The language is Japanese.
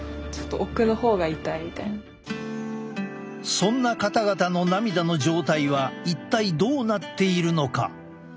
そんな方々の涙の状態は一体どうなっているのか？